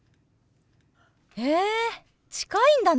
へえ近いんだね。